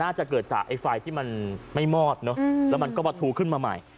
น่าจะเกิดจากไอ้ไฟที่มันไม่มอดเนอะแล้วมันก็ประทูขึ้นมาใหม่